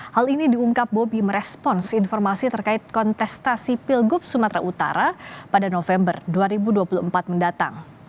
hal ini diungkap bobi merespons informasi terkait kontestasi pilgub sumatera utara pada november dua ribu dua puluh empat mendatang